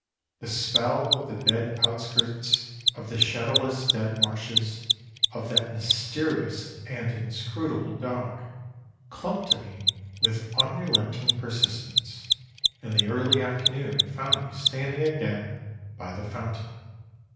The spell of the dead outskirts, of the shadowless dead marshes, of that mysterious and inscrutable dog, clung to me with unrelenting persistence. And the early afternoon found me standing again by the fountain.